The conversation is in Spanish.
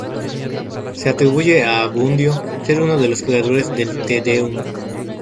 Se atribuye a Abundio ser uno de los creadores del "Te Deum".